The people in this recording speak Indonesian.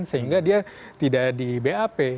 sehingga dia tidak di bap